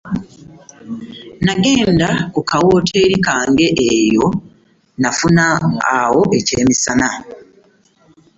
N’agenda ku ka wooteeri kange eyo n'afuna awo eky'emisana.